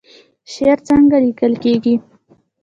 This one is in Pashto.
شعر څنګه لیکل کیږي؟